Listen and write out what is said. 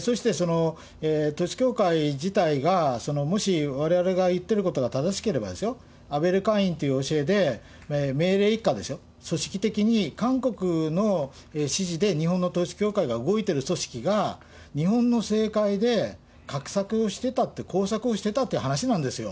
そして統一教会自体がもしわれわれが言ってることが正しければですよ、アベルカインという教えで、命令一過でしょ、組織的に韓国の指示で日本の統一教が動いている組織が、日本の政界で画策をしてたって、工作をしてたという話なんですよ。